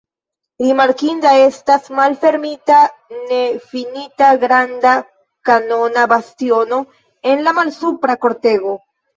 Rimarkinda estas malfermita nefinita granda kanona bastiono en la malsupra kortego.